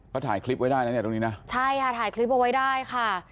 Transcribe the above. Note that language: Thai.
เขาถ่ายคลิปไว้ได้นะเนี่ยตรงนี้นะใช่ค่ะถ่ายคลิปเอาไว้ได้ค่ะ